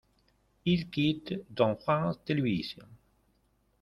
Il quitte donc France Télévisions.